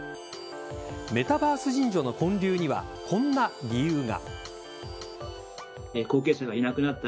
メタバース神社の建立にはこんな理由が。